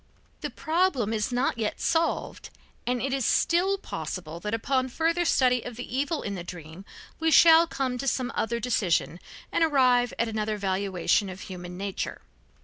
The problem is not yet solved, and it is still possible that upon further study of the evil in the dream we shall come to some other decision and arrive at another valuation of human nature.